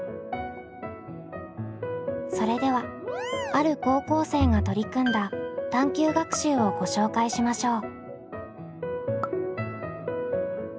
それではある高校生が取り組んだ探究学習をご紹介しましょう。